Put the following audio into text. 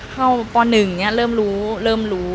เข้าป๑เริ่มรู้เริ่มรู้